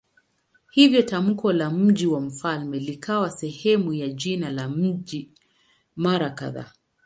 Hivyo tamko la "mji wa mfalme" likawa sehemu ya jina la mji mara kadhaa.